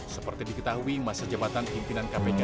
seperti diketahui masa jabatan pimpinan kpk